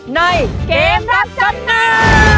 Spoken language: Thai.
ในเกมรับจำนำ